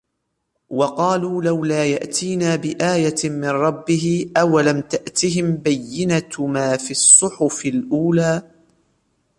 وَقَالُوا لَوْلَا يَأْتِينَا بِآيَةٍ مِنْ رَبِّهِ أَوَلَمْ تَأْتِهِمْ بَيِّنَةُ مَا فِي الصُّحُفِ الْأُولَى